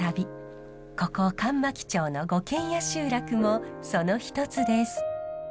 ここ上牧町の五軒屋集落もその一つです。